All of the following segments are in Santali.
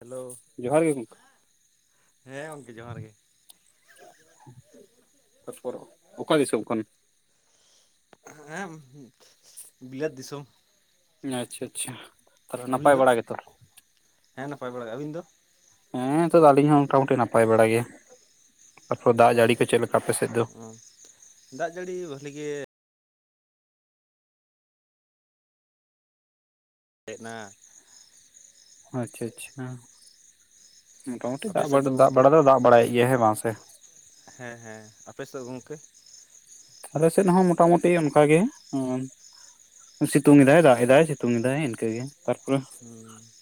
ᱦᱮᱞᱳ ᱡᱚᱦᱟᱨ ᱜᱮ ᱜᱚᱢᱠᱮ ᱾ ᱦᱮᱸ ᱜᱚᱝᱠᱮ ᱡᱚᱦᱟᱨ ᱜᱮ ᱾ ᱛᱟᱯᱚᱨᱮ ᱚᱠᱟ ᱫᱤᱥᱚᱢ ᱠᱷᱚᱱ? ᱦᱮᱸ ᱵᱤᱞᱟᱹᱛ ᱫᱤᱥᱚᱢ ᱾ ᱟᱪᱪᱷᱟ ᱟᱪᱪᱷᱟ ᱟᱫᱚ ᱟᱹᱵᱤᱱ ᱱᱟᱯᱟᱭ ᱫᱚ ᱵᱟᱲᱟ ᱜᱮᱛᱚ ᱦᱮ ᱱᱟᱯᱟᱭ ᱵᱟᱲᱟ ᱜᱮ ᱛᱚ ᱾ ᱦᱮᱸ ᱱᱤᱛᱚᱜ ᱫᱚ ᱟᱹᱞᱤᱧ ᱦᱚᱸ ᱢᱚᱴᱟᱢᱩᱴᱤ ᱱᱟᱯᱟᱭ ᱵᱟᱲᱟ ᱜᱮ ᱾ ᱟᱯᱮ ᱫᱟᱜ ᱡᱟᱲᱤ ᱠᱚ ᱪᱮᱫ ᱞᱮᱠᱟ? ᱟᱯᱮ ᱥᱮᱫ ᱫᱚ ᱚ ᱫᱟᱜ ᱡᱟᱹᱲᱤ ᱵᱷᱟᱹᱞᱤ ᱜᱮ ᱾ ᱦᱮᱡ ᱱᱟ ᱾ ᱟᱪᱷᱟ ᱟᱪᱷᱟ ᱢᱚᱴᱟᱢᱩᱴᱤ ᱟᱯᱮ ᱫᱟᱜ ᱥᱮᱫ ᱫᱚ ᱫᱟᱜ ᱜᱚᱝᱠᱮ ᱵᱟᱲᱟ ᱫᱚ ᱫᱟᱜ ᱵᱟᱲᱟ ᱮᱫ ᱜᱮᱭᱟ ᱦᱮᱸ ᱵᱟᱝ ᱥᱮ? ᱦᱮᱸ ᱦᱮᱸ ᱟᱯᱮ ᱥᱮᱫ ᱜᱚᱝᱠᱮ? ᱟᱞᱮ ᱥᱮᱫ ᱦᱚᱸ ᱢᱚᱴᱟᱢᱩᱴᱤ ᱚᱱᱠᱟᱜᱮ ᱦᱩᱸ ᱾ ᱥᱤᱛᱩᱝ ᱮᱫᱟᱭ ᱫᱟᱜ ᱫᱟᱭ ᱥᱤᱛᱩᱝ ᱮᱫᱟᱭ ᱤᱱᱠᱟᱹᱜᱮ ᱾ ᱛᱟᱨᱯᱚᱨᱮ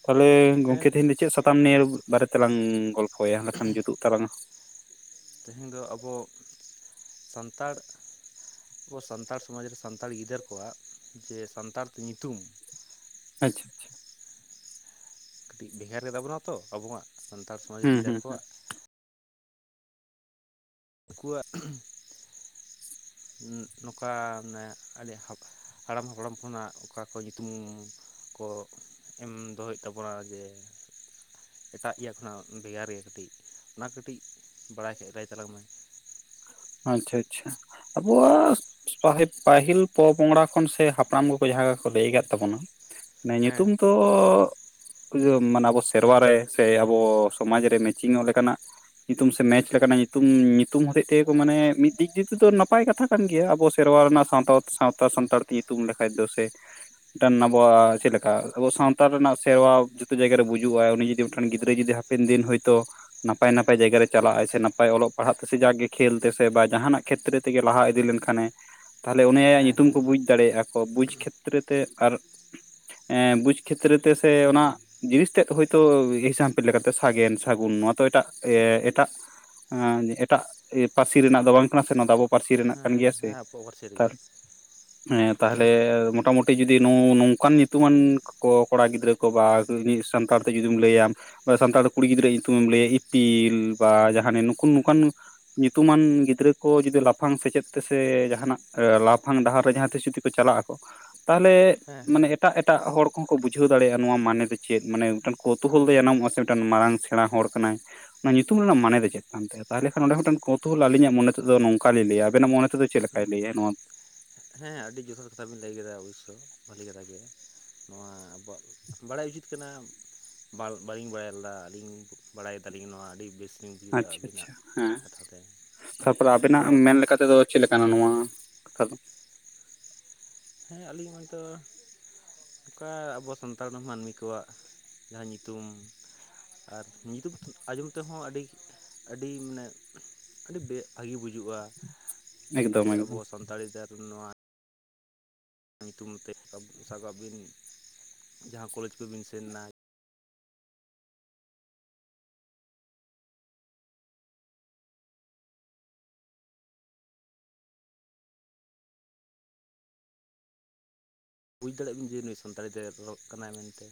ᱛᱟᱦᱚᱞᱮ ᱦᱮᱸ ᱜᱚᱢᱠᱮ ᱛᱮᱦᱮᱧ ᱫᱚ ᱪᱮᱫ ᱥᱟᱛᱟᱢ ᱱᱤᱭᱟᱹ ᱵᱟᱨᱮ ᱛᱮᱞᱟᱝ ᱜᱚᱞᱯᱚ? ᱦᱚᱭ ᱼᱟ ᱟᱠᱷᱟᱱ ᱡᱩᱛᱩᱜ ᱛᱟᱞᱟᱝᱟ ᱾ ᱛᱮᱦᱮᱧ ᱫᱚ ᱟᱵᱚ ᱥᱟᱱᱛᱟᱲ ᱾ ᱟᱵᱚ ᱥᱟᱱᱛᱟᱲ ᱥᱚᱢᱟᱡᱽ ᱨᱮ ᱥᱟᱱᱛᱟᱲ ᱜᱤᱫᱟᱹᱨ ᱠᱚᱣᱟᱜ ᱡᱮ ᱥᱟᱱᱛᱟᱲ ᱛᱮ ᱧᱩᱛᱩᱢ ᱾ ᱟᱪᱪᱷᱟ ᱟᱪᱪᱷᱟ, ᱠᱟᱹᱴᱤᱜ ᱵᱷᱮᱜᱟᱨ ᱜᱮᱛᱟ ᱵᱚᱱᱟ ᱛᱚ ᱟᱵᱚᱣᱟᱜ ᱥᱟᱱᱛᱟᱲ ᱥᱚᱢᱟᱡᱽ ᱦᱩᱸ ᱦᱩᱸ [unintelligible] ᱦᱩᱸ, ᱠᱚᱣᱟᱜ᱾ ᱱᱩᱠᱩᱣᱟᱜ ᱱᱚᱠᱟ ᱢᱟᱱᱮ ᱟᱹᱰᱤ ᱦᱟᱲᱟᱢ ᱜᱚᱲᱚᱢ ᱠᱷᱚᱱᱟᱜ ᱚᱠᱟ ᱠᱚ ᱧᱩᱛᱩᱢ ᱠᱚ ᱮᱢ ᱫᱚᱦᱚᱭᱮᱫ ᱛᱟᱵᱚᱣᱟ ᱡᱮ, ᱮᱴᱟᱜ ᱤᱭᱟᱹ ᱠᱷᱚᱱᱟᱜ ᱵᱷᱮᱜᱟᱨ ᱜᱮᱭᱟ ᱠᱟᱹᱴᱤᱜ, ᱚᱱᱟ ᱠᱟᱹᱴᱤᱜ ᱵᱟᱲᱟᱭ ᱦᱚᱪᱚ ᱞᱟᱹᱭ ᱛᱟᱞᱟᱝ ᱢᱮ? ᱟᱪᱪᱷᱟ ᱟᱪᱪᱷᱟ ᱟᱵᱚᱣᱟᱜ, ᱯᱟᱦᱤᱯ ᱯᱟᱹᱦᱤᱞ ᱯᱚᱼᱯᱚᱝᱲᱟ ᱠᱷᱚᱱ ᱥᱮ ᱦᱟᱯᱲᱟᱢ ᱠᱚᱠᱚ ᱡᱟᱦᱟᱸ ᱞᱮᱠᱟ ᱠᱚ ᱞᱟᱹᱭ ᱠᱟᱜ ᱛᱟᱵᱚᱱᱟ, ᱱᱮ ᱦᱮᱸ ᱧᱩᱛᱩᱢ ᱛᱚ [unintelligible] ᱢᱟᱱᱮ ᱟᱵᱚ ᱥᱮᱨᱣᱟ ᱨᱮ ᱥᱮ ᱟᱵᱚ ᱥᱚᱢᱟᱡᱽ ᱨᱮ ᱢᱮᱪᱤᱝᱚᱜ ᱞᱮᱠᱟᱱᱟᱜ ᱧᱩᱛᱩᱢ ᱥᱮ ᱢᱮᱪ ᱞᱮᱠᱟᱱᱟᱜ ᱧᱩᱛᱩᱢ ᱧᱩᱛᱩᱢ ᱦᱚᱛᱮᱡ ᱛᱮ, ᱠᱚ ᱢᱟᱱᱮ ᱢᱤᱫ ᱫᱤᱠ ᱫᱤᱭᱮ ᱛᱮᱫᱚ ᱱᱟᱯᱟᱭ ᱠᱟᱛᱷᱟ ᱠᱟᱱ ᱜᱮᱭᱟ ᱟᱵᱚ ᱥᱮᱨᱣᱟ ᱨᱮᱱᱟᱜ ᱥᱟᱱᱛᱟᱞ ᱥᱟᱶᱛᱟ ᱥᱟᱱᱛᱟᱲ ᱛᱤ ᱛᱩᱢ ᱫᱟᱠᱟᱭ ᱫᱚ ᱥᱮ, ᱢᱤᱜᱴᱟᱝ ᱟᱵᱚᱣᱟᱜ ᱪᱮᱫ ᱞᱮᱠᱟ ᱟᱵᱚ ᱥᱟᱶᱛᱟ ᱨᱮᱱᱟᱜ ᱥᱮᱨᱣᱟ ᱡᱚᱛᱚ ᱡᱟᱭᱜᱟ ᱨᱮ ᱵᱩᱡᱩᱜᱼᱟ ᱩᱱᱤ ᱡᱩᱫᱤ ᱢᱤᱜᱴᱟᱝ ᱜᱤᱫᱽᱨᱟᱹ ᱡᱩᱫᱤ ᱦᱟ ᱯᱮᱱ ᱫᱤᱱ ᱦᱚᱭᱛᱚ ᱱᱟᱯᱟᱭ ᱱᱟᱯᱟᱭ ᱡᱟᱭᱜᱟ ᱨᱮ ᱪᱟᱞᱟᱜ ᱟᱭ ᱥᱮ ᱱᱟᱯᱟᱭ ᱚᱞᱚᱜ ᱯᱟᱲᱦᱟᱜ ᱛᱮᱥᱮ ᱡᱟᱜᱮ ᱠᱷᱮᱞᱛᱮ ᱥᱮ ᱵᱟ ᱡᱟᱦᱟᱸᱱᱟᱜ ᱠᱷᱮᱛᱨᱮ ᱛᱮᱜᱮ ᱞᱟᱦᱟ ᱤᱫᱤ ᱞᱮᱱᱠᱷᱟᱱᱮ ᱛᱟᱦᱞᱮ ᱩᱱᱤᱭᱟᱜ ᱦᱮᱸ ᱧᱩᱛᱩᱢ ᱠᱚ ᱦᱮᱸ ᱵᱩᱡ ᱫᱟᱲᱮᱭᱟᱜᱼᱟ᱾ ᱚ ᱵᱩᱡ ᱠᱷᱮᱛᱨᱮ ᱛᱮ ᱟᱨ ᱮᱸ ᱵᱩᱡ ᱠᱷᱮᱛᱨᱮ ᱛᱮ ᱥᱮ ᱚᱱᱟ, ᱦᱩᱸ ᱡᱤᱱᱤᱥ ᱛᱮ ᱫᱚ ᱦᱚᱭᱛᱚ ᱢᱤᱜ ᱥᱟᱶᱛᱮ ᱞᱮᱠᱟᱛᱮ ᱥᱟᱜᱮᱱ ᱥᱟᱹᱜᱩᱱ ᱱᱚᱣᱟ ᱛᱚ ᱮᱴᱟᱜ ᱮ ᱮᱴᱟᱜ ᱮᱸ ᱮᱴᱟᱜ ᱤᱭᱟᱹ ᱯᱟᱹᱨᱥᱤ ᱨᱮᱱᱟᱜ ᱫᱚ ᱵᱟᱝ ᱠᱟᱱᱟ ᱥᱮ ᱱᱚᱣᱟ ᱫᱚ ᱟᱵᱚ ᱯᱟᱹᱨᱥᱤ ᱨᱮᱱᱟᱜ ᱠᱟᱱ ᱦᱮᱸ ᱜᱮᱭᱟ ᱥᱮ᱾ ᱦᱮᱸ ᱟᱵᱚᱣᱟᱜ ᱯᱟᱹᱨᱥᱤ ᱛᱟᱞ ᱨᱮᱜᱮ ᱮᱸ ᱛᱟᱦᱚᱞᱮ ᱢᱚᱴᱟᱢᱩᱴ ᱛᱮ ᱡᱩᱫᱤ ᱱᱚᱝ ᱱᱚᱝᱠᱟᱱ ᱧᱩᱛᱩᱢᱟᱱ ᱠᱚ ᱠᱚᱲᱟ ᱜᱤᱫᱽᱨᱟᱹ ᱠᱚ ᱵᱟ [unintelligible] ᱥᱟᱱᱛᱟᱲ ᱛᱮ ᱡᱩᱫᱤᱢ ᱞᱟᱹᱭᱟᱢ ᱵᱟ ᱥᱟᱱᱛᱟᱲ ᱠᱩᱲᱤ ᱜᱤᱫᱽᱨᱟᱹᱣᱟᱜ ᱧᱩᱛᱩᱢᱮᱢ ᱞᱟᱹᱭᱟ ᱤᱯᱤᱞ ᱵᱟ ᱡᱟᱦᱟᱸᱱ ᱱᱩᱠᱩ ᱱᱚᱝᱠᱟᱱ ᱧᱩᱛᱩᱢᱟᱱ ᱜᱤᱫᱽᱨᱟᱹ ᱠᱚ ᱡᱩᱫᱤ ᱞᱟᱯᱷᱟᱝ ᱥᱮᱪᱮᱫ ᱛᱮᱥᱮ ᱡᱟᱦᱟᱸᱱᱟᱜ ᱞᱟᱯᱷᱟᱝ ᱰᱟᱦᱟᱨ ᱨᱮ ᱡᱟᱦᱟᱸ ᱛᱤᱥ ᱡᱩᱫᱤ ᱯᱮ ᱪᱟᱞᱟᱜ ᱟᱠᱚ ᱛᱟᱦᱚᱞᱮ ᱦᱮᱸ ᱢᱟᱱᱮ ᱦᱮᱸ ᱮᱴᱟᱜ ᱮᱴᱟᱜ ᱦᱚᱲ ᱠᱚᱦᱚᱸ ᱠᱚ ᱵᱩᱡᱷᱟᱹᱣ ᱫᱟᱲᱮᱭᱟᱜᱼᱟ ᱱᱚᱣᱟ ᱢᱟᱱᱮ ᱫᱚ ᱪᱮᱜ ᱢᱟᱱᱮ ᱢᱤᱜᱴᱟᱝ ᱠᱚᱛᱚ ᱦᱚᱞ ᱦᱮᱸ ᱫᱤᱭᱟ ᱱᱟᱢ ᱟᱥᱮᱱᱴ ᱢᱤᱜᱴᱟᱝ ᱢᱟᱨᱟᱝ ᱥᱮᱬᱟ ᱦᱚᱲ ᱠᱟᱱᱟᱭ ᱚᱱᱟ ᱧᱩᱛᱩᱢ ᱨᱮᱱᱟᱜ ᱢᱟᱱᱮ ᱫᱚ ᱪᱮᱫ ᱠᱟᱱ ᱛᱟᱭᱟ ᱛᱟᱦᱚᱞᱮ ᱠᱷᱟᱱ ᱚᱸᱰᱮ ᱢᱤᱜᱴᱟᱝ ᱠᱚᱛᱚᱜᱩᱞᱟ ᱟᱹᱞᱤᱧᱟᱜ ᱢᱚᱱᱮ ᱛᱮᱫᱚ ᱱᱚᱝᱠᱟ ᱞᱮ ᱞᱟᱹᱭᱟ ᱟᱵᱮᱱᱟᱜ ᱢᱚᱱᱮ ᱛᱮᱫᱚ ᱪᱮᱫ ᱞᱮᱠᱟᱭ ᱦᱩᱸ ᱞᱟᱹᱭᱟ ᱱᱚᱣᱟ ᱦᱮᱸ ᱦᱮᱸ ᱟᱹᱰᱤ ᱡᱚᱛᱷᱟᱛ ᱠᱟᱛᱷᱟ ᱵᱤᱱ ᱞᱟᱹᱭ ᱠᱮᱫᱟ ᱚᱵᱚᱥᱥᱚ ᱵᱷᱟᱞᱤ ᱠᱟᱛᱷᱟ ᱜᱮ᱾ ᱱᱚᱣᱟ ᱟᱵᱚᱣᱟᱜ ᱵᱟᱲᱟᱭ ᱩᱪᱤᱛ ᱠᱟᱱᱟ ᱵᱟᱞ ᱵᱟᱹᱞᱤᱧ ᱵᱟᱲᱟᱭ ᱞᱮᱫᱟ ᱟᱹᱞᱤᱧ ᱵᱟᱲᱟᱭ ᱠᱮᱫᱟᱞᱤᱧ ᱱᱚᱣᱟ ᱟᱹᱰᱤ ᱵᱮᱥ ᱞᱤᱧ ᱵᱩᱡᱷᱟᱹᱣᱟ ᱟᱪᱪᱷᱟ ᱟᱪᱪᱷᱟ ᱟᱹᱵᱤᱱᱟᱜ ᱦᱮᱸ ᱠᱟᱛᱷᱟ ᱛᱮ ᱛᱟᱯᱚᱨᱮ ᱛᱚ ᱟᱵᱮᱱᱟᱜ ᱢᱮᱱ ᱞᱮᱠᱟᱛᱮ ᱫᱚ, ᱪᱮᱜ ᱞᱮᱠᱟᱱᱟ ᱱᱚᱣᱟ ᱱᱟᱠᱷᱟ ᱫᱚ? ᱦᱮᱸ ᱟᱹᱞᱤᱧ ᱦᱚᱭᱛᱚ ᱚᱱᱠᱟ ᱟᱵᱚ ᱥᱟᱱᱛᱟᱲ ᱫᱚ ᱢᱟᱹᱱᱢᱤ ᱠᱚᱣᱟᱜ ᱡᱟᱦᱟᱸ ᱧᱩᱛᱩᱢ, ᱟᱨ ᱧᱩᱛᱩᱢ ᱟᱸᱡᱚᱢ ᱛᱮᱦᱚᱸ ᱟᱹᱰᱤ ᱟᱹᱰᱤ ᱢᱟᱱᱮ ᱟᱹᱰᱤ‌ ᱵᱮ ᱵᱷᱟᱹᱜᱤ ᱵᱩᱡᱩᱜᱼᱟ᱾ ᱮᱠᱫᱚᱢ ᱡᱮ ᱟᱵᱚ ᱮᱠᱫᱚᱢ ᱥᱟᱱᱛᱟᱲᱤ ᱛᱮ ᱟᱫᱚ ᱱᱚᱣᱟ ᱧᱩᱛᱩᱢ ᱛᱮ [unintelligible] ᱵᱤᱱ ᱡᱟᱦᱟᱸ ᱠᱚᱞᱮᱡᱽ ᱠᱚᱵᱤᱱ ᱥᱮᱱ ᱱᱟᱭ, ᱵᱩᱡ ᱫᱟᱲᱮᱭᱟᱜ ᱵᱤᱱ ᱡᱮ ᱱᱩᱭ ᱥᱟᱱᱛᱟᱲᱤ ᱛᱮ ᱨᱚᱜ ᱠᱟᱱᱟᱭ ᱢᱮᱱᱛᱮ᱾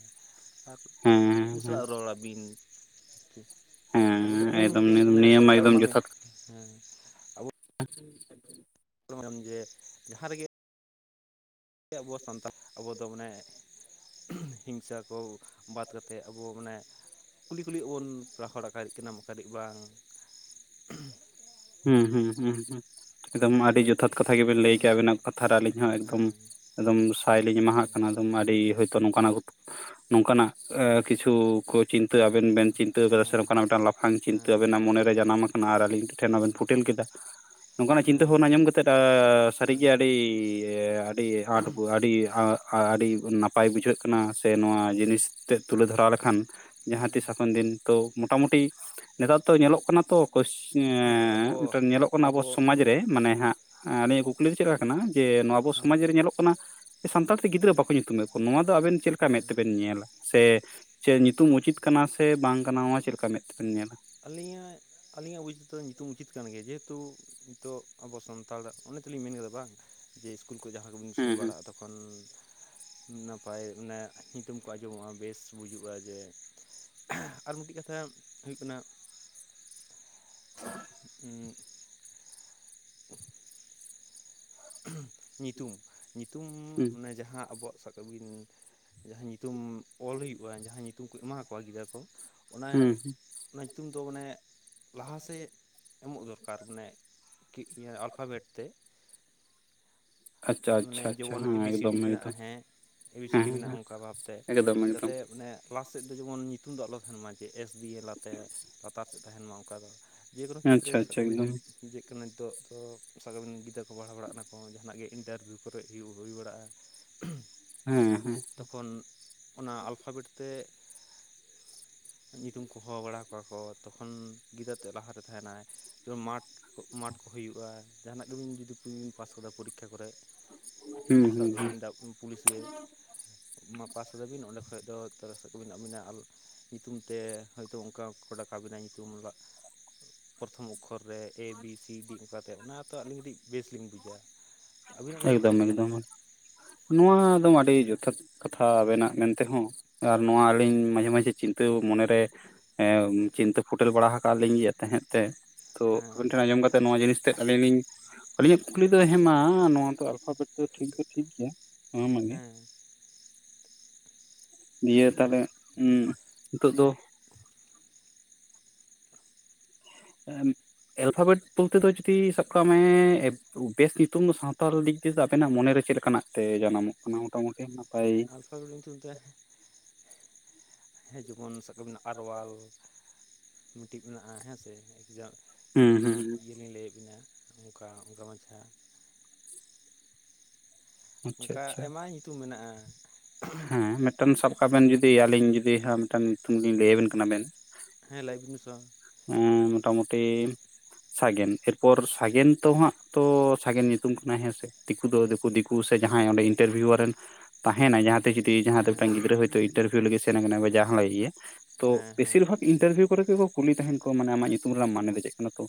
ᱟᱨ ᱦᱮᱸ ᱩᱱᱤ ᱦᱮᱸ ᱥᱟᱞᱟᱜ ᱨᱚᱲᱟ ᱵᱤᱱ ᱟᱵᱚ ᱫᱚ ᱦᱮᱸ ᱮᱢᱚᱱ ᱮᱠᱫᱚᱢ ᱢᱤᱜᱴᱤᱜ ᱚᱱᱮ ᱱᱤᱭᱟᱹ ᱢᱟ ᱥᱟᱱᱛᱟᱲ ᱮᱠᱫᱚᱢ ᱢᱟᱹᱱᱢᱤ ᱡᱚᱛᱷᱟᱛ ᱦᱮᱸ [unintelligible] ᱨᱚᱲᱮᱜᱼᱟᱢ ᱡᱮ ᱡᱟᱦᱟᱸ ᱨᱮᱜᱮ [unintelligible] ᱟᱵᱚ ᱦᱚᱸ ᱥᱟᱱᱛᱟᱞ ᱟᱵᱚ ᱫᱚ ᱢᱟᱱᱮ, ᱦᱤᱝᱥᱟᱹ ᱠᱚ ᱵᱟᱫ ᱠᱟᱛᱮᱜ ᱟᱵᱚ ᱢᱟᱱᱮ, ᱠᱩᱰᱤ ᱠᱩᱰᱤ ᱚᱞ ᱨᱚᱦᱚᱲ ᱟᱠᱟᱫᱠᱤᱱᱟ ᱢᱚᱥᱟᱨᱤ ᱜᱮ ᱵᱟᱝ ᱾ ᱦᱩᱸ ᱦᱩᱸ ᱦᱩᱸ ᱮᱠᱫᱚᱢ ᱟᱹᱰᱤ ᱡᱚᱛᱷᱟᱛ ᱠᱟᱛᱷᱟ ᱜᱮᱵᱮᱱ ᱞᱟᱹᱭ ᱦᱩᱸ ᱠᱮᱜᱼᱟ ᱟᱵᱤᱱᱟᱜ ᱠᱟᱛᱷᱟ ᱨᱮ ᱟᱹᱞᱤᱧ ᱦᱚᱸ ᱮᱠᱫᱚᱢ ᱾ ᱦᱮᱸ ᱮᱠᱫᱚᱢ ᱥᱟᱭᱞᱤᱧ ᱦᱩᱸ ᱮᱢᱟᱦᱟᱜ ᱠᱟᱱᱟ ᱮᱫᱚᱢ ᱟᱹᱰᱤ ᱦᱩᱸ ᱦᱳᱭᱛᱚ ᱱᱚᱝᱠᱟᱱᱟᱜ ᱜᱚ ᱾ ᱱᱚᱝᱠᱟᱱᱟᱜ ᱮ ᱠᱤᱪᱷᱩ ᱠᱳᱪ ᱾ ᱪᱤᱱᱛᱟᱹ ᱟᱵᱮᱱ ᱵᱮᱱ ᱪᱤᱱᱛᱟᱹᱣ ᱫᱟ ᱥᱮ ᱦᱮᱸ ᱱᱚᱝᱠᱟᱱᱟᱜ ᱢᱤᱫᱴᱟᱝ ᱞᱟᱯᱷᱟᱝ ᱪᱤᱱᱛᱟᱹ ᱦᱮᱸ ᱟᱵᱮᱱᱟᱜ ᱢᱚᱱᱮᱨᱮ ᱡᱟᱱᱟᱢ ᱟᱠᱟᱱᱟ ᱟᱨ ᱟᱹᱞᱤᱧ ᱴᱷᱮᱱ ᱟᱵᱮᱱ ᱦᱮᱸ ᱾ ᱯᱷᱩᱴᱮᱞ ᱠᱮᱫᱟ ᱱᱚᱝᱠᱟᱱᱟᱜ ᱪᱤᱱᱛᱟᱹ ᱦᱮᱸ ᱵᱷᱟᱵᱱᱟ ᱧᱟᱢ ᱠᱟᱛᱮᱫ ᱦᱮᱸ ᱥᱟᱹᱨᱤᱜᱮ ᱟᱹᱰᱤ ᱾ ᱟᱹᱰᱤ ᱟᱴ ᱵᱚ ᱟᱹᱰᱤ ᱟ ᱾ ᱟᱹᱰᱤ ᱱᱟᱯᱟᱭ ᱵᱩᱡᱷᱟᱹᱜ ᱠᱟᱱᱟ ᱥᱮ ᱱᱚᱣᱟ ᱡᱤᱱᱤᱥ ᱛᱮᱫ ᱛᱩᱞᱟᱹ ᱫᱷᱚᱨᱟᱣ ᱞᱮᱠᱷᱟᱱ ᱾ ᱡᱟᱦᱟᱸ ᱦᱮᱸ ᱛᱤᱥ ᱦᱟᱯᱮᱱ ᱫᱤᱱ ᱛᱚ ᱢᱚᱴᱟᱢᱩᱴᱤ ᱱᱮᱛᱟᱨ ᱫᱚ ᱧᱮᱞᱚᱜ ᱠᱟᱱᱟ ᱛᱚ ᱾ ᱠᱚᱥ ᱧᱸᱮ ᱦᱮᱸ ᱟᱵᱚ ᱢᱮᱴᱮᱱ ᱧᱮᱞᱚᱜ ᱠᱟᱱᱟ ᱟᱵᱚ ᱥᱚᱢᱟᱡᱽ ᱨᱮ ᱾ ᱛᱮ ᱢᱟᱱᱮ ᱦᱟᱸᱜ ᱟᱞᱤᱧᱟᱜ ᱠᱩᱠᱞᱤ ᱫᱚ ᱪᱮᱫ ᱞᱮᱠᱟ ᱠᱟᱱᱟ ᱡᱮ ᱱᱚᱣᱟ ᱟᱵᱚ ᱦᱮᱸ ᱥᱚᱢᱟᱡᱽ ᱨᱮ ᱧᱮᱞᱚᱜ ᱠᱟᱱᱟ ᱾ ᱥᱟᱱᱛᱟᱲᱛᱮ ᱜᱤᱫᱽᱨᱟᱹ ᱵᱟᱠᱚ ᱧᱩᱛᱩᱢᱮᱫ ᱠᱚ ᱱᱚᱣᱟ ᱫᱚ ᱟᱵᱮᱱ ᱪᱮᱫ ᱞᱮᱠᱟ ᱦᱮᱸ ᱢᱮᱫ ᱛᱮᱵᱮᱱ ᱧᱮᱞᱟ? ᱥᱮ ᱪᱮᱫ ᱧᱤᱛᱩᱢ ᱩᱪᱤᱛ ᱠᱟᱱᱟ ᱥᱮ ᱵᱟᱝ ᱠᱟᱱᱟ ᱱᱚᱣᱟ ᱪᱮᱫ ᱞᱮᱠᱟ ᱢᱮᱸᱫ ᱛᱮᱵᱮᱱ ᱧᱮᱞᱟ? ᱟᱹᱞᱤᱧᱟᱜ ᱾ ᱟᱹᱞᱤᱧᱟᱜ ᱵᱩᱡ ᱛᱮᱫᱚ ᱧᱤᱛᱩᱢ ᱩᱪᱤᱛ ᱠᱟᱱ ᱜᱮᱭᱟ ᱡᱮᱦᱮᱛᱩ ᱱᱤᱛᱚᱜ ᱟᱵᱚ ᱥᱟᱱᱛᱟᱲ ᱚᱱᱮ ᱛᱮᱞᱤᱧ ᱢᱮᱱ ᱠᱟᱫᱟ ᱵᱟᱝ ᱾ ᱡᱮ ᱤᱥᱠᱩᱞ ᱠᱚ ᱡᱟᱦᱟᱸ ᱠᱚᱵᱚᱱ ᱦᱮᱸ ᱥᱮᱱ ᱦᱮᱸ ᱵᱟᱲᱟᱜᱼᱟ ᱛᱚᱠᱷᱚᱱ ᱾ ᱱᱟᱯᱟᱭ ᱚᱱᱮ ᱧᱤᱛᱩᱢ ᱠᱚ ᱟᱸᱡᱚᱢᱚᱜᱼᱟ ᱵᱮᱥ ᱵᱩᱡᱩᱜᱼᱟ ᱡᱮ ᱾ ᱟᱨ ᱢᱤᱴᱤᱡ ᱠᱟᱛᱷᱟ ᱦᱩᱭᱩᱜ ᱠᱟᱱᱟ ᱾ ᱩᱸ ᱾ ᱧᱩᱛᱩᱢ ᱧᱩᱛᱩᱢ ᱦᱮᱸ ᱢᱟᱱᱮ ᱡᱟᱦᱟᱸ ᱟᱵᱚᱣᱟᱜ ᱾ ᱟᱵᱤᱱ ᱡᱟᱦᱟᱸ ᱧᱩᱛᱩᱢ ᱚᱞ ᱦᱩᱭᱩᱜᱼᱟ ᱡᱟᱦᱟᱸ ᱧᱩᱛᱩᱢ ᱠᱚ ᱮᱢᱟ ᱠᱚᱣᱟ ᱜᱤᱫᱽᱨᱟᱹ ᱠᱚ ᱾ ᱚᱱᱟ ᱦᱮᱸ ᱚᱱᱟ ᱧᱩᱛᱩᱢ ᱫᱚ ᱢᱟᱱᱮ ᱞᱟᱦᱟ ᱥᱮᱫ ᱮᱢᱚᱜ ᱫᱚᱨᱠᱟᱨ ᱢᱟᱱᱮ ᱾ ᱠᱤ ᱱᱤᱭᱟᱹ ᱟᱞᱯᱷᱟᱵᱮᱴ ᱛᱮ ᱾ ᱟᱪᱪᱷᱟ ᱢᱟᱱᱮ ᱟᱪᱪᱷᱟ ᱟᱪᱪᱷᱟ ᱡᱮᱢᱚᱱ ᱦᱮᱸ ᱮᱵᱤ ᱮᱠᱫᱚᱢ ᱥᱤᱰᱤ ᱢᱮᱱᱟᱜ-ᱟ ᱮᱠᱫᱚᱢ ᱦᱮᱸ ᱾ ᱮ ᱵᱤ ᱥᱤ ᱰᱤ ᱦᱮᱸ ᱢᱮᱱᱟᱜᱼᱟ ᱦᱮᱸ ᱚᱱᱠᱟ ᱵᱷᱟᱵᱛᱮ ᱮᱠᱫᱚᱢ ᱮᱠᱫᱚᱢ ᱡᱟᱛᱮ ᱢᱟᱱᱮ ᱾ ᱞᱟᱦᱟ ᱥᱮᱫ ᱫᱚ ᱡᱮᱢᱚᱱ ᱧᱩᱛᱩᱢ ᱫᱚ ᱟᱞᱚ ᱛᱟᱦᱮᱱ ᱢᱟ ᱡᱮ ᱮᱥ ᱵᱤᱭ ᱮ ᱞᱟᱛᱮ ᱞᱟᱛᱟᱨ ᱥᱮᱫ ᱛᱟᱦᱮᱱ ᱢᱟ ᱚᱱᱠᱟ ᱫᱚ ᱾ ᱡᱮᱠᱳᱱᱳ ᱠᱷᱮᱛᱨᱮ ᱟᱪᱪᱷᱟ ᱟᱪᱪᱷᱟ ᱥᱟᱜᱠᱟᱜ ᱵᱤᱱ ᱮᱠᱫᱚᱢ ᱡᱮᱫ ᱠᱟᱱᱟ ᱱᱤᱛᱚᱜ ᱫᱚ ᱥᱟᱜᱠᱟᱜ ᱨᱮᱱ ᱜᱤᱫᱽᱨᱟᱹ ᱠᱚ ᱯᱟᱲᱦᱟᱣ ᱵᱟᱲᱟᱜ ᱠᱟᱱᱟ ᱠᱚ ᱡᱟᱦᱟᱱᱟᱜ ᱜᱮ ᱾ ᱤᱱᱴᱟᱨᱵᱷᱤᱭᱩ ᱠᱚᱨᱮ ᱦᱩᱭ ᱵᱟᱲᱟᱜᱼᱟ ᱦᱮᱸ ᱦᱮᱸ ᱛᱚᱠᱷᱚᱱ ᱾ ᱚᱱᱟ ᱟᱞᱯᱷᱟᱵᱮᱴ ᱛᱮ ᱾ ᱧᱩᱛᱩᱢ ᱠᱚ ᱦᱚᱦᱚ ᱵᱟᱲᱟ ᱠᱚᱣᱟ ᱠᱚ ᱛᱚᱠᱷᱚᱱ ᱜᱤᱫᱽᱟᱹᱨᱟᱹ ᱛᱮᱫ ᱞᱟᱦᱟ ᱨᱮ ᱛᱟᱦᱮᱱᱟᱭ ᱾ ᱡᱮᱢᱚᱱ ᱢᱟᱴᱷ ᱢᱟᱴᱷ ᱠᱚ ᱦᱩᱭᱩᱜᱼᱟ ᱡᱟᱦᱟᱱᱟᱜ ᱜᱮᱵ ᱡᱩᱫᱤ ᱯᱟᱥ ᱠᱟᱫᱟ ᱯᱚᱨᱤᱠᱷᱟ ᱠᱚᱨᱮᱫ ᱦᱩᱸ ᱾ ᱦᱩᱸ ᱦᱩᱸ ᱥᱟᱵᱤᱱ ᱯᱩᱞᱤᱥ ᱜᱮ ᱾ ᱢᱟ ᱯᱟᱥᱠᱟᱫᱟᱵᱤᱱ ᱚᱸᱰᱮ ᱠᱷᱚᱡ ᱫᱚ ᱛᱟᱨ ᱠᱚᱵᱤᱱ ᱟᱹᱵᱤᱱᱟ ᱟᱨ ᱧᱩᱛᱩᱢ ᱛᱮ ᱾ ᱦᱳᱭᱛᱳ ᱚᱱᱠᱟ ᱠᱚᱰᱟᱠᱟᱵᱤᱱᱟᱜ ᱧᱩᱛᱩᱢ ᱾ [unintelligible] ᱯᱚᱨᱚᱛᱷᱚᱢ ᱚᱠᱠᱷᱚᱨ ᱨᱮ ᱮ ᱵᱤ ᱥᱤ ᱰᱤ ᱚᱱᱠᱟᱛᱮ ᱚᱱᱟ ᱛᱚ ᱟᱹᱞᱤᱧ ᱠᱟᱹᱴᱤᱡ ᱵᱮᱥᱞᱤᱧ ᱵᱩᱡᱼᱟ ᱾ ᱮᱠᱫᱚᱢ ᱮᱠᱫᱚᱢ ᱱᱚᱣᱟ ᱫᱚ ᱟᱹᱰᱤ ᱡᱚᱛᱷᱟᱛ ᱠᱟᱛᱷᱟ ᱟᱵᱮᱱᱟᱜ ᱢᱮᱱᱛᱮᱦᱚᱸ ᱾ ᱟᱨ ᱱᱚᱣᱟ ᱟᱹᱞᱤᱧ ᱢᱟᱡᱷᱮ ᱢᱟᱡᱷᱮ ᱾ ᱪᱤᱱᱛᱟᱹ ᱢᱚᱱᱮᱨᱮ ᱪᱤᱱᱛᱟᱹ ᱯᱷᱩᱴᱮᱞ ᱵᱟᱲᱟ ᱟᱠᱟᱫ ᱞᱤᱧ ᱜᱮ ᱛᱟᱦᱮᱸᱫ ᱛᱮ ᱾ ᱛᱚ ᱦᱮᱸ ᱦᱮᱸ ᱟᱵᱮᱱ ᱴᱷᱮᱱ ᱟᱸᱡᱚᱢ ᱠᱟᱛᱮ ᱱᱚᱣᱟ ᱡᱤᱱᱤᱥ ᱛ ᱟᱹᱞᱤᱧ ᱞᱤᱧ ᱟᱹᱞᱤᱧᱟᱜ ᱠᱩᱠᱞᱤ ᱫᱚ ᱦᱮᱸ ᱢᱟ ᱱᱚᱣᱟ ᱫᱚ ᱾ ᱟᱯᱟᱛᱚ ᱛ ᱴᱷᱤᱠ ᱫᱚ ᱴᱷᱤᱠ ᱜᱮᱭᱟ ᱢᱟ ᱢᱟᱱᱮ ᱾ ᱦᱮᱸ ᱫᱤᱭᱮ ᱛᱟᱦᱚᱞᱮ ᱱᱤᱛᱩᱜ ᱫᱚ ᱾ ᱮᱞᱯᱷᱟᱵᱮᱴ ᱵᱚᱞᱛᱮ ᱫᱚ ᱡᱩᱫᱤ ᱥᱟᱵ ᱠᱟᱜ ᱢᱮ ᱾ ᱵᱮᱥ ᱧᱩᱛᱩᱢ ᱫᱚ ᱥᱟᱱᱛᱟᱲ ᱫᱤᱠ ᱫᱤᱭᱮ ᱟᱵᱮᱱᱟᱜ ᱢᱚᱱᱮᱨᱮ ᱪᱮᱫ ᱞᱮᱠᱟᱱᱟᱜ ᱛᱮ ᱡᱟᱱᱟᱢᱚᱜ ᱠᱟᱱᱟ ᱢᱚᱴᱟᱢᱩᱴᱤ ᱾ ᱟᱞᱯᱷᱟᱵᱮᱴ ᱧᱩᱛᱩᱢ ᱛᱮ ᱦᱮ ᱡᱮᱢᱚᱱ ᱾ ᱟᱨᱣᱟᱞ ᱢᱤᱫᱴᱤᱡ ᱢᱮᱱᱟᱜᱼᱟ ᱦᱮᱸ ᱥᱮ? ᱦᱩᱸ ᱫᱤᱞᱤᱧ ᱦᱩᱸ ᱤᱭᱟᱹ ᱞᱤᱧ ᱞᱟᱹᱭᱮᱫ ᱵᱤᱱᱟ ᱚᱱᱠᱟ ᱚᱱᱠᱟ ᱢᱟᱪᱷᱟ, ᱟᱪᱪᱷᱟ ᱚᱱᱠᱟ ᱟᱪᱪᱷᱟ ᱟᱭᱢᱟ ᱧᱩᱛᱩᱢ ᱢᱮᱱᱟᱜ-ᱟ᱾ ᱦᱮᱸ ᱢᱤᱫᱴᱟᱝ ᱥᱟᱵ ᱠᱟᱜ ᱵᱮᱱ ᱡᱩᱫᱤ ᱟᱹᱞᱤᱧ ᱡᱩᱫᱤ ᱦᱮ ᱢᱤᱫᱴᱮᱱ ᱧᱩᱛᱩᱢ ᱞᱤᱧ ᱞᱟᱹᱭᱟ ᱵᱮᱱ ᱠᱟᱱᱟ ᱵᱮᱱ ᱾ ᱦᱮᱸ ᱞᱟᱭ ᱵᱤᱱ ᱥᱚ ᱮᱸᱻ ᱢᱚᱴᱟᱢᱩᱴᱤ, ᱥᱟᱜᱮᱱ ᱮᱨᱯᱚᱨ ᱥᱟᱜᱮᱱ ᱛᱚ ᱦᱟᱸᱜ ᱛᱚ ᱥᱟᱜᱮᱱ ᱧᱩᱛᱩᱢ ᱠᱟᱱᱟ ᱦᱮᱸ ᱥᱮ, ᱫᱤᱠᱩ ᱫᱚ ᱫᱤᱠᱩ ᱫᱤᱠᱩ ᱥᱮ ᱡᱟᱦᱟᱸᱭ ᱚᱸᱰᱮ ᱤᱱᱴᱟᱨᱵᱷᱤᱭᱩ ᱨᱮᱱ ᱛᱟᱦᱮᱱᱟᱭ ᱡᱟᱦᱟᱸ, ᱡᱟᱦᱟᱸ ᱫᱚ ᱦᱮᱸ ᱢᱤᱫᱴᱟᱝ ᱜᱤᱫᱽᱨᱟᱹ ᱦᱚᱛᱳ ᱤᱱᱴᱟᱨᱵᱷᱤᱭᱩ ᱞᱟᱹᱜᱤᱫ ᱥᱮᱱ ᱟᱠᱟᱱᱟ ᱡᱟᱦᱟᱸ ᱞᱟᱜᱤᱫ ᱜᱮ, ᱛᱚ ᱦᱮᱸ ᱦᱮᱸ ᱵᱮᱥᱤᱨ ᱵᱷᱟᱜᱽ ᱤᱱᱴᱟᱨᱵᱷᱤᱭᱩ ᱠᱚᱨᱮ ᱠᱚ ᱠᱩᱞᱤ ᱛᱟᱦᱮᱱ ᱠᱚ ᱢᱟᱱᱮ ᱟᱢᱟᱜ ᱧᱩᱛᱩᱢ ᱨᱮᱱᱟᱜ ᱢᱟᱱᱮ ᱫᱚ ᱪᱮᱫ ᱠᱟᱱᱟ ᱛᱚ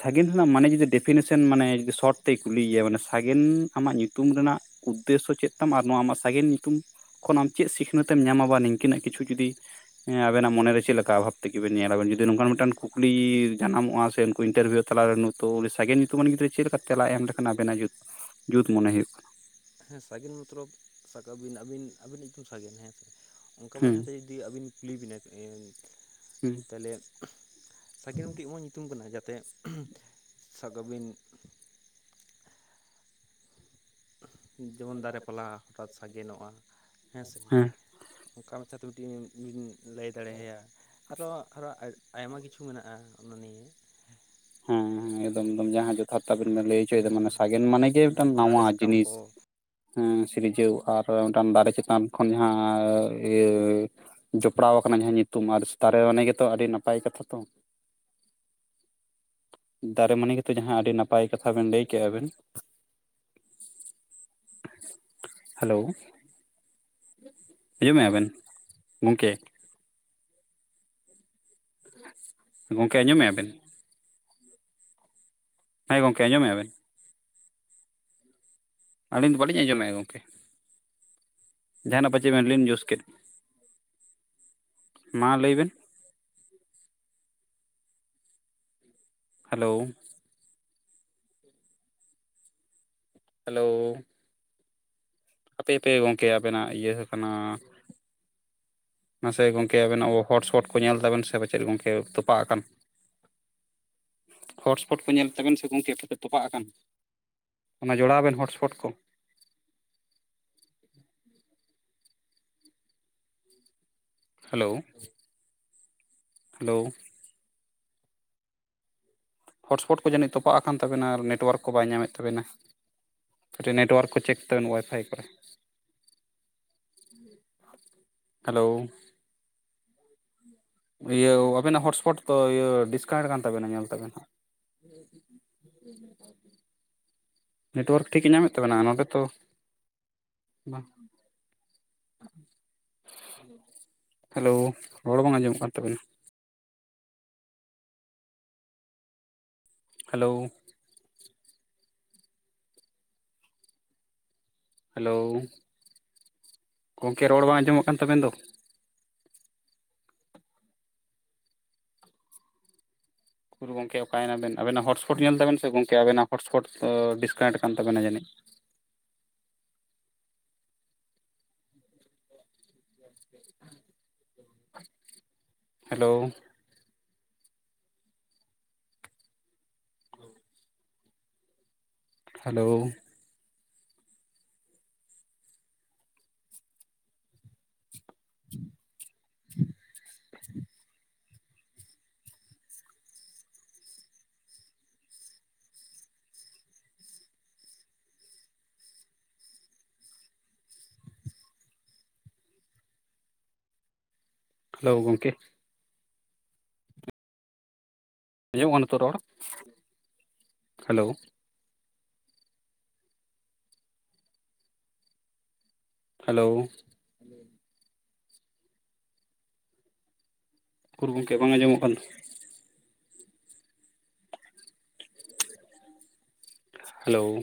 ᱥᱟᱜᱮᱱ ᱨᱮᱱᱟᱜ ᱢᱟᱱᱮ ᱡᱩᱫᱤ ᱰᱮᱯᱷᱤᱱᱮᱥᱮᱱ ᱢᱟᱱᱮ ᱡᱩᱫᱤ ᱥᱚᱨᱚᱴ ᱛᱮᱭ ᱠᱩᱞᱤᱭᱮᱭᱟ, ᱢᱟᱱᱮ ᱥᱟᱜᱮᱱ ᱟᱢᱟᱜ ᱧᱩᱛᱩᱢ ᱨᱮᱱᱟᱜ ᱩᱫᱽᱫᱮᱥᱥᱚ ᱪᱮᱫ ᱛᱟᱢ? ᱟᱨ ᱱᱚᱣᱟ ᱢᱟ ᱥᱟᱜᱮᱱ ᱧᱩᱛᱩᱢ ᱠᱷᱚᱱ ᱟᱢ ᱪᱮᱫ ᱥᱤᱠᱷᱱᱟᱹᱛ ᱮᱢ ᱧᱟᱢᱟ ᱵᱟ ᱱᱤᱠᱟᱹ ᱱᱟᱜ ᱠᱤᱪᱷᱩ ᱡᱩᱫᱤ, ᱦᱮᱸ ᱟᱵᱮᱱᱟᱜ ᱢᱚᱱᱮᱨᱮ ᱪᱮᱫ ᱞᱮᱠᱟ ᱵᱷᱟᱵᱽ ᱛᱮᱜᱮ ᱵᱮᱱ ᱧᱮᱞᱟᱵᱮᱱ ᱡᱩᱫᱤ ᱱᱚᱝᱠᱟᱱ ᱢᱤᱫᱴᱟᱱ ᱠᱩᱠᱞᱤ ᱡᱟᱱᱟᱢᱚᱜᱼᱟ ᱥᱮ ᱩᱱᱠᱩ ᱤᱱᱴᱟᱨᱵᱷᱤᱭᱩ ᱛᱮᱞᱟ ᱱᱚᱛᱳ ᱩᱱᱤ ᱥᱟᱜᱮᱱ ᱧᱩᱛᱩᱢᱟᱱ ᱜᱤᱫᱽᱨᱟᱹ ᱪᱮᱫ ᱞᱮᱠᱟ ᱛᱮᱞᱟᱭᱟ ᱮᱢ ᱞᱮᱠᱷᱟᱱ ᱟᱵᱮᱱᱟᱜ ᱡᱩᱛ ᱡᱩᱛ ᱢᱚᱱᱮ ᱦᱩᱭᱩᱜ-ᱟ ᱾ ᱦᱮᱸ ᱥᱟᱜᱮᱱ ᱢᱚᱛᱞᱚᱵ ᱥᱟᱠᱟᱢ ᱵᱤᱱ ᱟᱹᱵᱤᱱ ᱟᱹᱵᱤᱱ ᱧᱩᱛᱩᱢ ᱥᱟᱜᱮᱱ ᱦᱮᱸ ᱥᱮ ᱚᱱᱠᱟ ᱢᱟ ᱦᱩᱸ ᱡᱟᱦᱟᱸᱛᱮ ᱡᱩᱫᱤ ᱟᱹᱵᱤᱱ ᱠᱩᱞᱤ ᱵᱤᱱᱟ ᱦᱩᱸ [inaudible] ᱛᱟᱦᱚᱞᱮ ᱥᱟᱜᱮᱱ ᱢᱤᱫᱴᱤᱡ ᱮᱢ ᱧᱩᱛᱩᱢ ᱠᱟᱱᱟ ᱡᱟᱛᱮ ᱥᱟᱵ ᱠᱟᱜ ᱵᱤᱱ, ᱡᱮᱢᱚᱱ ᱫᱟᱨᱮ ᱯᱟᱞᱟ ᱦᱚᱴᱟᱛ ᱥᱟᱜᱮᱱᱚᱜᱼᱟ, ᱦᱮᱸ ᱥᱮ? ᱚᱱᱠᱟ ᱢᱟᱪᱷᱟ ᱛᱮ [inaudible] ᱞᱟᱹᱭ ᱫᱟᱲᱮ ᱟᱭᱟ ᱟᱫᱚ ᱟᱨᱚ ᱟᱭᱢᱟ ᱠᱤᱪᱷᱩ ᱢᱮᱱᱟᱜᱼᱟ, ᱚᱱᱟ ᱱᱤᱭᱮ ᱦᱮᱸ ᱦᱮᱸ ᱮᱫᱚᱫᱚᱢ ᱡᱟᱦᱟᱸ ᱛᱟᱵᱤᱱ ᱵᱮ ᱞᱟᱹᱭ ᱦᱚᱪᱚᱭᱮᱫᱟ ᱢᱟᱱᱮ ᱥᱟᱜᱮᱱ ᱢᱟᱱᱮ ᱜᱮ ᱢᱤᱫᱴᱮᱱ ᱫᱟᱨᱮ ᱱᱟᱣᱟ ᱥᱟᱠᱟᱢ ᱡᱤᱱᱤᱥ, ᱠᱚ ᱦᱮᱸ ᱥᱤᱨᱡᱟᱹᱣ ᱟᱨ ᱢᱤᱫᱴᱟᱱ ᱫᱟᱨᱮ ᱪᱮᱛᱟᱱ ᱠᱷᱚᱱ ᱡᱟᱦᱟᱸ ᱤᱭᱟᱹ, ᱡᱚᱯᱲᱟᱣ ᱟᱠᱟᱱᱟ ᱡᱟᱦᱟᱸ ᱧᱩᱛᱩᱢ ᱟᱨ ᱤᱥᱛᱷᱟᱨᱮ ᱢᱟᱱᱮ ᱜᱮᱛᱚ ᱟᱹᱰᱤ ᱱᱟᱯᱟᱭ ᱠᱟᱛᱷᱟ ᱛᱚ, ᱫᱟᱨᱮ ᱢᱟᱹᱱᱤ ᱜᱮᱛᱚ ᱡᱟᱦᱟᱸ ᱟᱹᱰᱤ ᱱᱟᱯᱟᱭ ᱠᱟᱛᱷᱟ ᱵᱮᱱ ᱞᱟᱹᱭ ᱠᱮᱜᱼᱟ ᱵᱮᱱ, ᱦᱮᱞᱳ, ᱦᱤᱡᱩᱜ ᱢᱮᱭᱟ ᱵᱮᱱ, ᱜᱚᱝᱠᱮ ᱜᱚᱝᱠᱮ ᱟᱸᱡᱚᱢᱮᱜᱟ ᱵᱮᱱ? ᱦᱳᱭ ᱜᱚᱝᱠᱮ ᱟᱸᱡᱚᱢᱮᱜ-ᱟ ᱵᱮᱱ? ᱟᱹᱞᱤᱧ ᱫᱚ ᱵᱟᱹᱞᱤᱧ ᱟᱸᱡᱚᱢᱮᱜᱼᱟ ᱜᱚᱝᱠᱮ, ᱡᱟᱦᱟᱱᱟᱜ ᱯᱟᱪᱮ ᱵᱮᱱ ᱞᱤᱱ ᱡᱩᱥ ᱠᱮᱫ? ᱢᱟ ᱞᱟᱹᱭ ᱵᱮᱱ, ᱦᱮᱞᱳᱻ ᱦᱮᱞᱳᱻ ᱦᱟᱯᱮ ᱦᱟᱯᱮ ᱜᱚᱝᱠᱮ ᱟᱵᱤᱱᱟᱜ ᱤᱭᱟᱹ ᱟᱠᱟᱱᱟ, ᱢᱟᱥᱮ ᱜᱚᱝᱠᱮ ᱟᱵᱮᱱᱟᱜ ᱦᱚᱴᱥᱚᱴ ᱠᱚ ᱧᱮᱞ ᱛᱟᱵᱮᱱ ᱥᱮ ᱯᱟᱪᱮᱜ ᱜᱚᱝᱠᱮ ᱛᱚᱯᱟᱜ ᱟᱠᱟᱱ ᱾ ᱦᱚᱴᱥᱯᱚᱴ ᱠᱚ ᱧᱮᱞ ᱛᱟᱵᱮᱱ ᱥᱮ ᱜᱚᱝᱠᱮ ᱯᱟᱪᱮᱫ ᱛᱚᱯᱟᱜ ᱟᱠᱟᱱ, ᱚᱱᱟ ᱡᱚᱲᱟᱣ ᱵᱮᱱ ᱦᱚᱴᱥᱯᱚᱴ ᱠᱚ, ᱦᱮᱞᱳ, ᱦᱮᱞᱳ, ᱦᱚᱥᱯᱚᱴ ᱠᱚ ᱡᱟᱹᱱᱤᱡ ᱛᱚᱯᱟᱜ ᱟᱠᱟᱱ ᱛᱟᱵᱮᱱᱟ ᱟᱨ ᱱᱮᱴᱚᱣᱟᱨᱠ ᱠᱚ ᱵᱟᱭ ᱧᱟᱢᱮᱫ ᱛᱟᱵᱮᱱᱟ, ᱠᱟᱹᱴᱤᱡ ᱱᱮᱴᱚᱣᱟᱨᱠ ᱠᱚ ᱪᱮᱠ ᱛᱟᱵᱮᱱ ᱚᱣᱟᱭᱯᱷᱟᱭ ᱠᱚᱨᱮ, ᱦᱮᱞᱳ, ᱤᱭᱟᱹ ᱟᱵᱮᱱᱟᱜ ᱦᱚᱥᱯᱚᱴ ᱫᱚ ᱤᱭᱟᱹ ᱰᱤᱥᱠᱟᱱᱮᱴ ᱠᱟᱱ ᱛᱟᱵᱮᱱᱟ ᱧᱮᱞ ᱛᱟᱵᱮᱱ ᱦᱟᱸᱜ, [unintelligible] ᱱᱮᱴᱚᱣᱟᱨᱠ ᱴᱷᱤᱠ ᱧᱟᱢᱮᱫ ᱛᱟᱵᱚᱱᱟ ᱱᱚᱸᱰᱮ ᱛᱚ ᱵᱟᱝ ᱦᱮᱞᱳ ᱨᱚᱲ ᱵᱟᱝ ᱟᱸᱡᱚᱢᱚᱜ ᱠᱟᱱ ᱛᱟᱹᱵᱤᱱᱟ? ᱦᱮᱞᱳᱣ᱾ ᱦᱮᱞᱳᱣ ᱜᱚᱝᱠᱮ ᱨᱚᱲ ᱵᱟᱝ ᱟᱸᱡᱚᱢᱚᱜ ᱠᱟᱱ ᱛᱟᱹᱵᱮᱱ ᱫᱚ? ᱩᱠᱩᱨ ᱜᱚᱝᱠᱮ ᱚᱠᱟᱭᱱᱟᱵᱮᱱ ᱟᱵᱮᱱᱟᱜ ᱦᱚᱴᱥᱯᱚᱴ ᱧᱮᱞ ᱛᱟᱵᱮᱱ ᱥᱮ ᱜᱚᱝᱠᱮ ᱟᱵᱮᱱᱟᱜ ᱦᱚᱴᱥᱯᱚᱴ ᱰᱤᱥᱠᱟᱣᱴ ᱠᱟᱱ ᱛᱟᱵᱮᱱᱟ ᱡᱟᱹᱱᱤᱡ᱾ ᱦᱮᱞᱳᱣ ᱦᱮᱞᱳᱣ [unintelligible] ᱦᱮᱞᱳᱣ ᱜᱚᱝᱠᱮ᱾ ᱟᱸᱡᱚᱢᱚᱜ ᱠᱟᱱᱟ ᱛᱚ ᱨᱚᱲ? ᱦᱮᱞᱳᱣ ᱾ ᱦᱮᱞᱳᱣ᱾ ᱩᱠᱩᱨ ᱜᱚᱝᱠᱮ ᱵᱟᱝ ᱟᱸᱡᱚᱢᱚᱜ ᱠᱟᱱ ᱫᱚ? ᱦᱮᱞᱳᱣ᱾